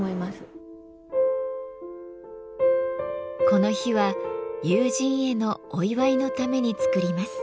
この日は友人へのお祝いのために作ります。